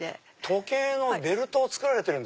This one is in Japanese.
時計のベルトを作られてる？